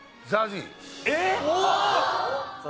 えっ！？